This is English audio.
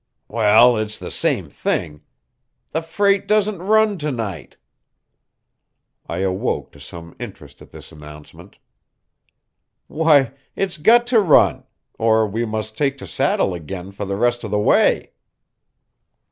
"Well, it's the same thing. The freight doesn't run to night." I awoke to some interest at this announcement. "Why, it's got to run, or we must take to saddle again for the rest of the way."